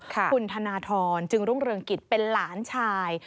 คุณธนทรจึงรุ่งเรืองกิจเป็นหลานชาย